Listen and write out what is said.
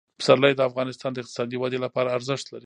پسرلی د افغانستان د اقتصادي ودې لپاره ارزښت لري.